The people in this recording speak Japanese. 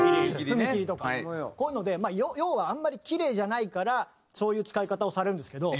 踏切とかこういうので要はあんまりキレイじゃないからそういう使い方をされるんですけど